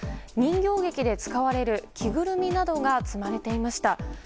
人形劇で使われる着ぐるみなどが積まれていました。